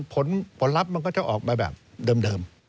ผลลัพธ์มันก็จะออกมาแบบเดิม